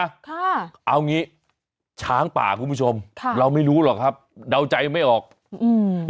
ค่ะเอางี้ช้างป่าคุณผู้ชมค่ะเราไม่รู้หรอกครับเดาใจไม่ออกอืม